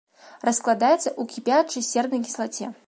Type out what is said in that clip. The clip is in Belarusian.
Раскладаецца ў кіпячай сернай кіслаце.